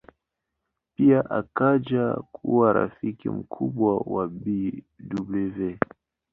Pia akaja kuwa rafiki mkubwa wa Bw.